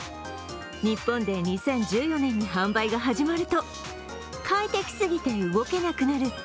日本で２０１４年に販売が始まると、快適すぎて動けなくなる